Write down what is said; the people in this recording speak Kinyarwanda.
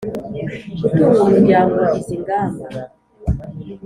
gutunga umuryango Izi ngamba